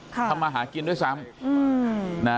ทำมาหากินด้วยซ้ำ